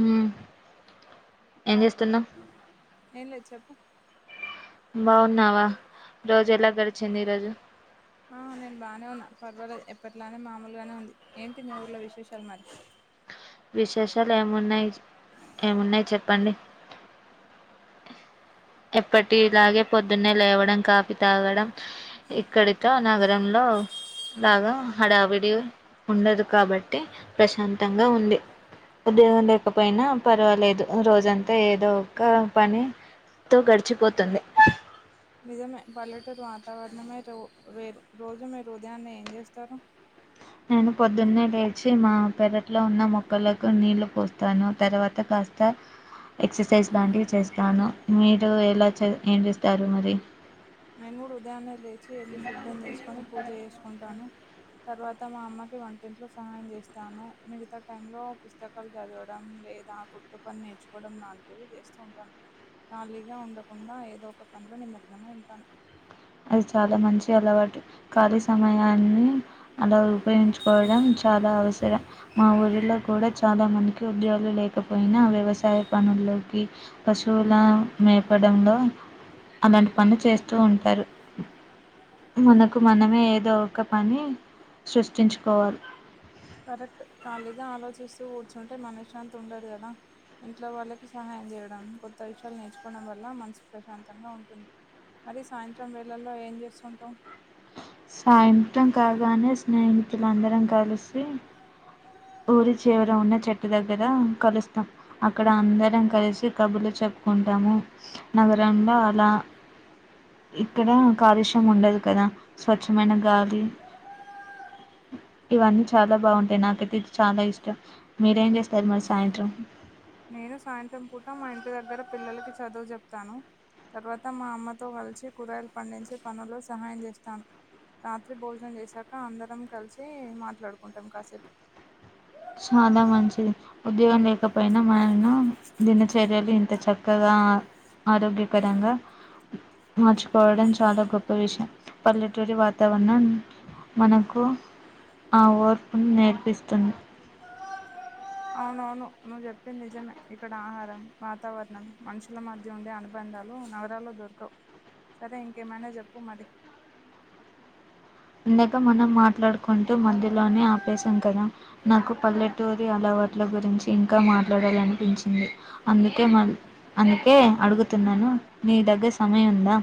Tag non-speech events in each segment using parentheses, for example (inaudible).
ఉమ్ ఏంచేస్తున్నాం ఏం లేదు చెప్పు బావున్నావా రోజు ఎలా గడిచింది ఈ రోజు ఆ నేను బాగానే ఉన్నా పర్వాల ఎప్పట్లానే మామూలుగానే ఉంది ఏంటి మీ ఊర్లో విశేషాలు మరి విశేషాలు ఏమున్నాయి ఏమున్నయి చెప్పండి ఎప్పటిలాగే పొద్దున్నే లేవడం కాఫీ తాగడం ఇక్కడితో నగరంలో అ లాగా హడావిడి ఉండదు కాబట్టి ప్రశాంతంగా ఉంది ఉద్యోగం లేకపోయినా పర్వాలేదు రోజంతా ఏదో ఒక పని తో గడిచిపోతుంది నిజమే పల్లెటూరులో వాతావరణమే రోజు మీరు ఉదయాన్నే ఏం చేస్తారు నేను పొద్దున్నే లేచి మా పెరట్లో ఉన్న మొక్కలకు నీళ్లు పోస్తాను తర్వాత కాస్ స్తే ఎక్సర్సైజ్ లాంటివి చేస్తాను మీరు ఎలాచే ఏం చేస్తారు మరి నేను కూడా ఉదయాన్నే లేచి ఇల్లు శుభ్రం చేసుకొని పూజ చేసుకుంటాను తర్వాత మా అమ్మకి వంటింట్లో సహాయం చేస్తాను మిగతా టైంలో పుస్తకాలు చదవడం లేదా కుట్టు పని నేర్చుకోవడం లాంటివి చేస్తూ ఉంటాను ఖాళీగా ఉండకుండా ఏదో ఒక పనిలో నిమగ్నమై ఉంటాను అది చాలా మంచి అలవాటు ఖాళీ సమయాన్ని అలా ఉపయోగించుకోవడం చ్ చాలా అవసరం మా ఊరిలో కూడా చాలా మందికి ఉద్యోగం లేకపోయినా వ్యవసాయ పనుల్ లోకి పశువుల మేపడంలో అలాంటి పనులు చేస్తూ ఉంటారు మనకు మనమే ఏదో ఒక పని సృష్టించుకోవాలి కరెక్ట్ ఖాళీగా ఆలోచిస్తూ కూర్చుంటే మనశ్శాంతి ఉండదు కదా ఇంట్లో వాళ్ళకి సహాయం చేయడం కొత్త విషయాలు నేర్చుకోవడం వల్ల మనసు ప్రశాంతంగా ఉంటుంది మరి సాయంత్రం వేళ్ళల్లో ఏం చేస్తు ఉంటావ్ సాయంత్రం కాగానే స్నేహితులందరం కలిసి ఊరి చివర ఉన్న చెట్టు దగ్గర కలుస్తాం అక్కడ అందరం కలిసి కబుర్లు చెప్ కుంటాము నగరంలో అలా ఇక్కడ కాలుష్యం ఉండదు కదా స్వచ్ఛమైన గాలి ఇవన్నీ చాలా బాగుంటాయి నాకైతే చాలా ఇష్టం మీరేం చేస్తారు మరి సాయంత్రం నేను సాయంత్రం పూట మా ఇంటి దగ్గర పిల్లలకి చదువు చెప్తాను తర్వాత మా అమ్మతో కలిసి కూరగాయలు పండించే పనుల్లో సహాయం చేస్తాను రాత్రి భోజనం చేసాక అందరం కలిసి మాట్లాడుకుంటాం కాసేపు చాలా మంచిది ఉద్యోగం చేయకపోయినా మనను దిన చర్యలు ఇంత చకా చక్కగా ఆరోగ్యకరంగా మార్చుకోవడం చాలా గొప్ప విషయం పల్లెటూరి వాతావరణం మనకు ఆ ఓర్పును నేర్పిస్తుంది అవునవును నువ్వు చెప్పింది నిజమే ఇక్కడ ఆహారం వాతావరణం మనుషుల మధ్య ఉండే అనుబంధాలు నగరాల్లో దొరకవు సరే ఇంకేమైనా చెప్పు మరి ఇందక మనం మాట్లాడుకుంటూ మధ్య లోనే ఆపేశాం కదా నాకు పల్లెటూరి అలా వాట్ల గురించి ఇంకా మాట్లాడాలనిపించింది అందుకే మ అందుకే అడుగుతున్నాను నీ దగ్గ సమయం ఉందా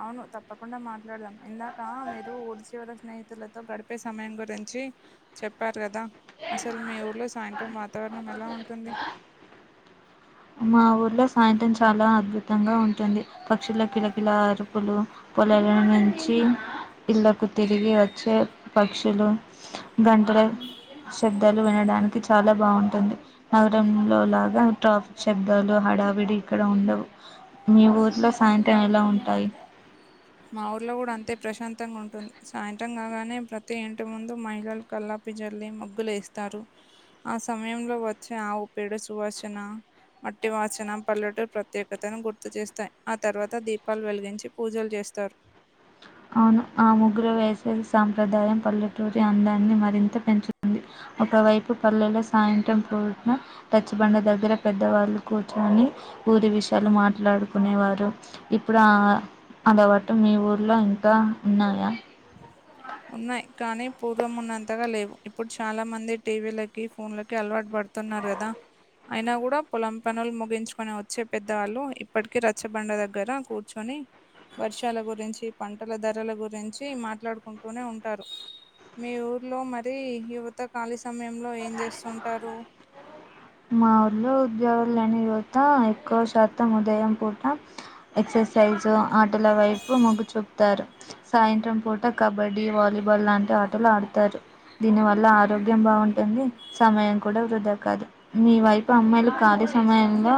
అవును తప్పకుండా మాట్లాడదాం ఇందాక మీరు ఊరిచివర స్నేహితులతో గడిపే సమయం గురించి చి చెప్పారు కదా అసలు మీ ఊర్లో సాయంత్రం వాతావరణం ఎలా ఉంటుంది మా ఊర్లో సాయంత్రం చాలా అద్భుతంగా ఉంటుంది పక్షుల కిలకిల అరుపులు పొలలా నుంచి ఇళ్లకు తిరిగి వచ్చే పక్షులు గంటలు శబ్దాలు వినడానికి చాలా బాగుంటుంది నగరం లో లాగా ట్రాఫిక్ శబ్దాలు హడావిడి ఇక్కడ ఉండవు మీ ఊర్లో సాయంత్రం ఎలా ఉంటాయి మా ఊర్లో కూడా అంతే ప్రశాంతంగా ఉంటుంది సాయంత్రం కాగానే ప్రతి ఇంటి ముందు మహిళల కల్లా పు జల్లి మగ్గులు వేస్తారు ఆ సమయంలో వచ్చే ఆవు పేడు సువాసన మట్టి వాచన పల్లెటురి ప్రత్యేకతను గుర్తు చేస్తాయి ఆ తర్వాత దీపాలు వెలిగించి పూజలు చేస్తా త్తర్ అవును ఆ ముగ్గురు వేసవి సాంప్రదాయం పల్లెటూరి అందాన్ని మరింత పెంచుతుంది ఒకవైపు పల్లెలో సాయంత్రం పూట రచ్చిబండ దగ్గర పెద్దవాళ్ళు కూర్చొని ఊరి విషయాలు మాట్లాడుకునేవారు ఇప్పుడు ఆ అలవాటు మీ ఊర్లో ఇంకా ఉన్నాయా ఉన్నాయి కానీ పూర్వం ఉన్నంతగా లేవు ఇప్పుడు చాలా మంది టీవీలకి ఫోన్లకి అలవాటు పడు తున్నారు గదా అయినా కూడా పొలం పనులు ముగించుకొని వచ్చే పెద్దవాళ్ళు ఇప్పటికి రచ్చబండ దగ్గర కూర్చొని వర్షాల గురించి పంటల ధరల గురించి మాట్లాడుకుంటూనే ఉంటారు మీ ఊర్లో మరి యువత ఖాళీ సమయంలో ఏం చేస్తుంటారు మా ఊళ్లో ఉద్యోగం లేని యువత ఎక్కువ శాతం ఉదయం పూట ఎక్ సైజ్ ఆటల వైపు మొగ్గు చూపుతారు, సాయంత్రం పూట కబడ్డీ వాలీబాల్ లాంటి ఆటలు ఆడుతారు దీని వల్ల ఆరోగ్యం బాగుంటుంది, సమయం కూడా వృధా కాదు, మీ వైపు అమ్మాయిలు ఖాళీ సమయంలో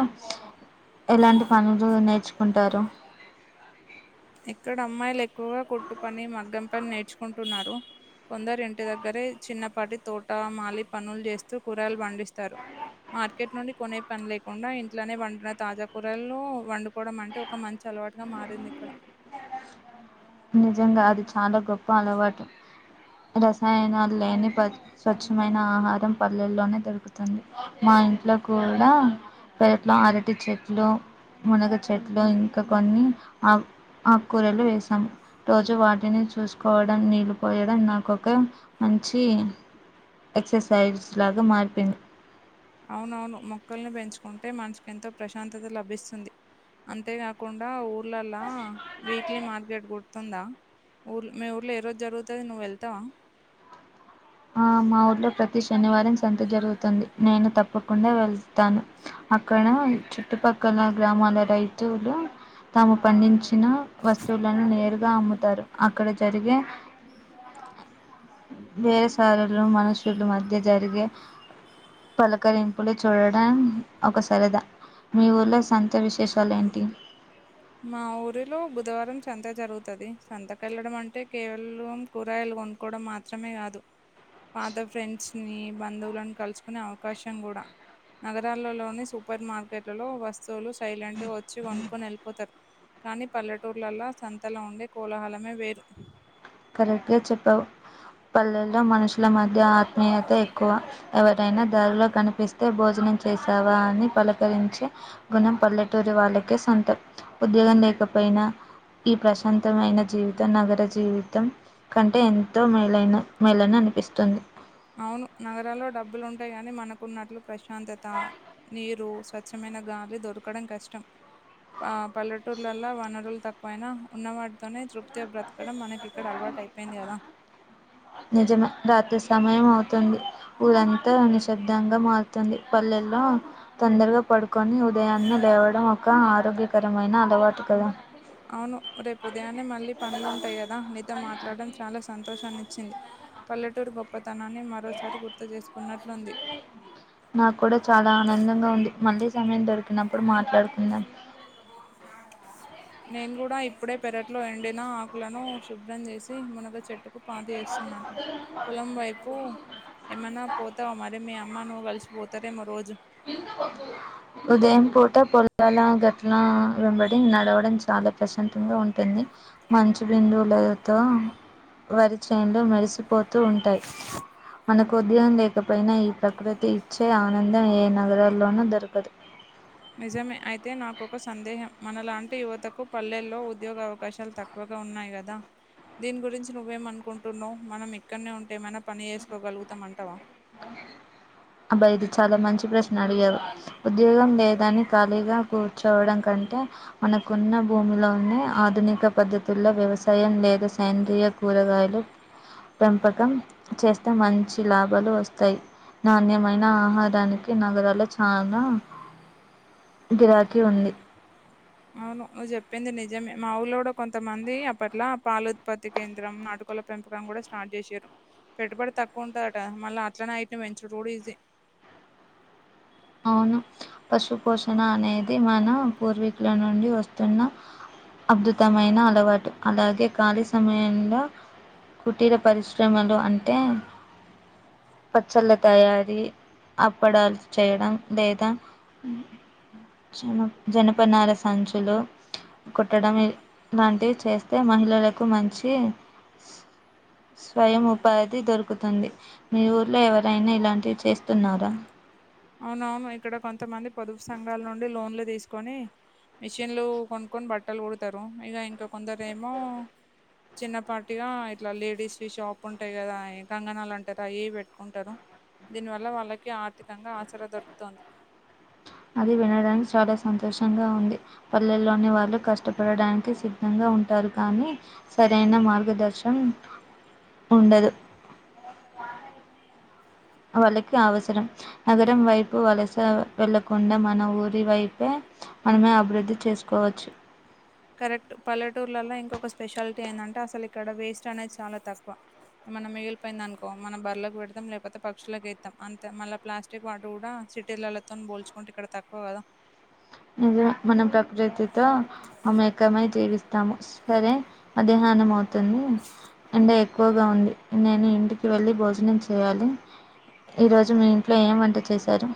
ఎలాంటి పనులు నేర్చుకుంటారు, ఎక్కడ అమ్మాయిలు ఎక్కువగా కుట్టు పని మగ్గం పని నేర్చుకుంటున్నారు. కొందరు ఇంటి దగ్గరే చిన్నపాటి తోట మాలి పనులు చేస్తూ కూరగాయలు పండిస్తారు. మార్కెట్ నుండి కొనే పని లేకుండా ఇంట్లోనే పండిన తాజా కూరలు వండుకోవడం అంటే ఒక మంచ అలవాటుగా మారింది ఇక్కడ నిజంగా అది చాలా గొప్ప అలవాటు రసాయనాలు లేని స్వచ్ఛమైన ఆహారం పల్లెల్లోనే దొరుకుతుంది మా మా ఇంట్లో కూడా పెరట్లో అరటి చెట్లు మునగ చెట్లు ఇంకా కొన్ని ఆ ఆకూరలు వేసామ్ రోజు వాటిని చూసుకోవడం నీళ్లుపోయడం నాకొక మంచి ఎక్ససైజ్ లాగా మారిపోయింది అవునువును మొక్కల్ని పెంచుకుంటే మనసుకు ఎంతో ప్రశాంతత లభిస్తుంది అంతేకాకుండా ఊర్లలా వీక్లీ మార్కెట్ గుర్తుందా ఊర్ మీ ఊర్లో ఏ రోజు జరుగుతది నువ్వు వెళ్తావా ఆ మా ఊర్లో ప్రతి శనివారం సంత జరుగుతుంది నేను తప్పకుండా వెళ్తాను అక్కడ చుట్టుపక్కల గ్రామాల రైతులు తాము పండించిన వస్తువులను నేరుగా అమ్ముతారు అక్కడ జరిగే (unintelligible) వేరేసాలలు మనుషుల మధ్య జరిగే పలకరింపులు చూడడం ఒక సరదా మీ ఊర్లో సంత విశేషాలు ఏంటి మా ఊరిలో బుధవారం సంత జరుగుతది సంతకు వెళ్ళడం అంటే కేవలం కూరకాయలు కొనుకోవడం మాత్రమే కాదు పాత ఫ్రెండ్స్ ని బంధువులను కలుసుకునే అవకాశం కూడా నగరాలలోని సూపర్ మార్కెట్లలో వస్తువులు సైలెంట్ గా వచ్చి కొనుక్కొని ఎల్ పోతరు కానీ పల్లెటూర్లలో సంతలో ఉండే కోలాహలమే వేరు కరెక్ట్గా చెప్పావు పల్లెల్లో మనుషుల మధ్య ఆత్మీయత ఎక్కువ ఎవరైనా దారిలో కనిపిస్తే భోజ నం చేశావా అని పలకరించే గుణం పల్లెటూరి వాళ్ళకే సొంతం ఉద్యోగం లేక పోయినా ఈ ప్రశాంతమైన జీవితం నగర జీవి తం కంటే ఎంతో మేలైన మేలని అనిపిస్తుంది అవును నగరాల్లో డబ్బులు ఉంటాయి గాని మనకున్నట్లు ప్రశాంతత నీరు స్వచ్ఛమై (unintelligible) గాలి దొరకడం కష్టం ఆ పల్లెటూర్లలలో వనరులు తక్కువైనా ఉన్నవాటితోనే తృప్తిగా బ్రతకడం మనకి ఇక్కడ అలవా టైపోయింది కదా నిజమే రాత్రి సమయం అవుతుంది ఊరంతా నిశ్శబ్దంగా మారుతుంది పల్లెల్ ల తొందరగా పడుకొని ఉదయాన్నే లేవడం ఒక ఆరోగ్యకరమైన అలవాటు కదా అవును రేపు ఉదయాన్నే మళ్ళీ పనులు ఉంటాయి కదా నీతో మాట్లాడడం చాలా సంతోషాన్ని ఇచ్చింది పల్లెటూరు గొప్ప తనాన్ని మరోసారి గుర్తు చేసుకున్నట్లుంది నాకు కూడా చాలా ఆనందంగా ఉంది. మళ్ళీ సమయం దొరికినప్పుడు మాట్లాడుకుందాం నేను కూడా ఇప్పుడే పెరట్లో ఎండిన ఆకులను శుభ్రం చేసి మునగ చెట్టుకు పాతి చేస్తున్నాను పొలం వైపు ఏమన్న పోతా మరి మీ అమ్మ అమ్మ నువ్వు కలిసిపోతారేమో రోజు ఉదయం పూట పొలాల గట్ల వెంబడి నడవడం చాలా ప్రశంత గా ఉంటుంది మంచి బిందువులతో వరిచేనులు మేరిసిపోతూ ఉంటాయి మనకు (unintelligible) లేకపోయినా ఈ ప్రకృతి ఇచ్చే ఆనందం ఏ నగరాల్లోనూ దొరకదు నిజమే అయితే నాకొక సందేహం మనలాంటి యువతకు పల్లెల్లో ఉద్యోగ అవకాశాలు తక్కువ గా ఉన్నాయి కదా దీని గురించి నువ్వేమ అనుకుంటున్నావు మనం ఇక్కడనే ఉంటే ఏమైనా పని చేసుకోగలుగుతాం అంటావా (inaudible) అబ్బా ఇది చాలా మంచి ప్రశ్న అడిగారు ఉద్యోగం లేదాని ఖాళీగా కూర్చోవడం కంటే అంటే మనకున్న భూమిలో ఉనే ఆధునిక పద్ధతుల్లో వ్యవసాయం లేదా సైంద్రయ కూరగాయలు పెంపకం చేస్తే మంచి లాభాలు వస్తాయి నాణ్యమైన ఆహారానికి నగరాల చానా గిరాకీ ఉంది అవును చెప్పింది నిజమే మా ఊలో కూడా కొంతమంది అప్పట్ల పాల ఉత్పత్తి కేంద్రం నాటు కోళ్ల పెంపకం కూడా స్టార్ట్ చేశారు పెట్టుబడి తక్కువ ఉంటందట మళ్ళా అట్లనే అయిట్ని పెంచడం కూడా ఈజీ అవును పశు పోషణ అనేది మన పూర్వీకుల నుండి వస్తున్న అద్భుతమైన అలవాటు అలాగే ఖాళీ సమయంలో కుటీర పరిశ్రమలు అంటే పచ్చళ్ళ తయారీ అప్పడాలు చేయడం లేదా జన జనపనాల సంచులు కుట్టడం లాంటివి చేస్తే మహిళలకు మంచి స్వయం ఉపాధి దొరుకుతుంది మీ ఊర్లో ఎవరైనా ఇలాంటివి చేస్తున్నారా అవునవును ఇక్కడ కొంతమంది పొదుపు సంఘాల నుండి లోన్లు తీసుకొని మిషన్లు కొనుక్కొని బట్టలు కొడతారు ఇక ఇంకా కొందరు ఏమో చిన్నపాటిగా ఇట్లా లేడీస్వి షాప్ ఉంటాయి కదా గంగనాలు అంటారుా అ ఏవి పెట్టుకుంటారు దీనివల్ల వాళ్ళకి ఆర్థికంగా ఆచరా దొరుకుతోంది అది వినడానికి చాలా సంతోషంగా ఉంది పల్లెల్లోని వాళ్ళు కష్టపడడానికి సిద్ధంగా ఉంటారు కానీ సరైన మార్గదర్శనం ఉండదు (inaudible) వాళ్ళకి అవసరం నగరం వైపు వలస వెళ్ళకుండా మన ఊరి వైపే మనమే అభివృద్ధి చేసుకోవచ్చు కరెక్ట్ పల్లెటూర్లలో ఇంకొక స్పెషాలిటీ ఏంటంటే అసలు ఇక్కడ వేస్ట్ అనేది చాలా తక్కువ మనం మిగిలిపోయిందంది అనుకో మనం బ్రలకు పెడతాం లేకపోతే పక్షులకుస్తాం అంతే మళ్ళ ప్లాస్టిక్ వాటి కూడా సిటీలతో పోల్చుకుంటే ఇక్కడ తక్కువ కదా ఇది మనం ప్రకృతితో మేకమై జీవిస్త ము సరే మధ్యాహ్నం అవుతుంది అం ఎక్కువగా ఉంది నేను ఇంటికి వెళ్ళి భోజనం చేయాలి ఈ రోజు మీ ఇంట్లో ఏం వంట చేశారు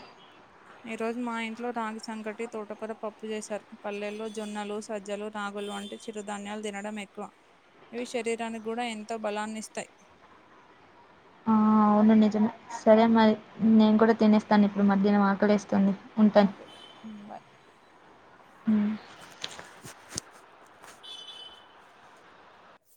ఈ రోజు మా ఇంట్లో రాగి సంకటి తోటకూర పప్పు చేసారు పల్లెల్లో జొన్నలు సజ్జలు రాగు పలు అంటే చిరుధాన్యాలు తినడం ఎక్కువ ఇవి శరీరానికి కూడా ఎంతో బలాన్నిస్తాయి (inaudible) ఆ అవును నిజమే సరే మరి నేను కూడా తినేస్తాను ఇప్పుడు మధ్యాహ్నం ఆకలేేస్తుంది ఓకే బాయ్ ఉ